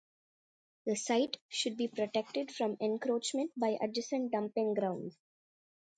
The site should be protected from encroachment by adjacent dumping grounds.